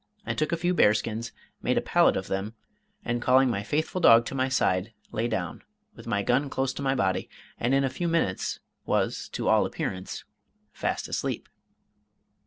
I took a few bear skins, made a pallet of them, and calling my faithful dog to my side, lay down, with my gun close to my body, and in a few minutes was to all appearance fast asleep.